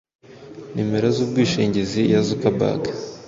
nimero y’ubwishingizi ya Zuckerberg,